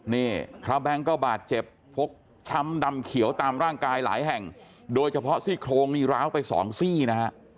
นี่พระแบงค์ก็บาดเจ็บฟกช้ำดำเขียวตามร่างกายหลายแห่งโดยเฉพาะซี่โครงนี่ร้าวไปสองซี่นะฮะ